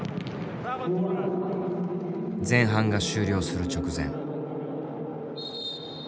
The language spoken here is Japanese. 前半が終了する直前。